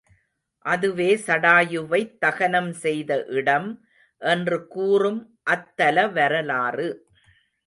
அதுவே சடாயுவைத் தகனம் செய்த இடம் என்று கூறும் அத்தல வரலாறு.